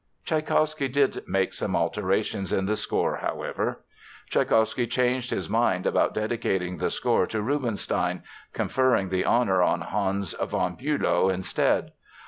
Tschaikowsky did make some alterations in the score, however. Tschaikowsky changed his mind about dedicating the score to Rubinstein, conferring the honor on Hans Von Bülow, instead.